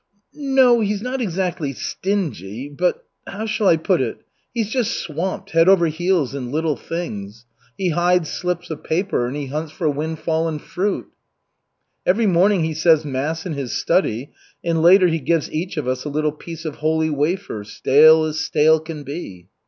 "No, he's not exactly stingy, but how shall I put it? He is just swamped head over heels in little things. He hides slips of paper, and he hunts for wind fallen fruit." "Every morning he says mass in his study, and later he gives each of us a little piece of holy wafer, stale as stale can be."